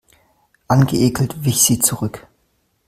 Angeekelt wich sie zurück.